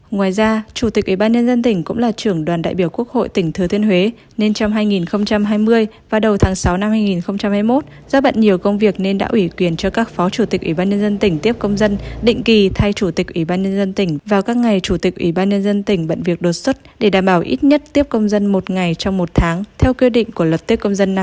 ngoài ra chủ tịch ủy ban nhân dân tỉnh cũng là trưởng đoàn đại biểu quốc hội tỉnh thừa thiên huế nên trong hai nghìn hai mươi và đầu tháng sáu năm hai nghìn hai mươi một do bận nhiều công việc nên đã ủy quyền cho các phó chủ tịch ủy ban nhân dân tỉnh tiếp công dân định kỳ thay chủ tịch ủy ban nhân dân tỉnh vào các ngày chủ tịch ủy ban nhân dân tỉnh bận việc đột xuất để đảm bảo ít nhất tiếp công dân một ngày trong một tháng theo quy định của lật tiếp công dân năm hai nghìn một mươi ba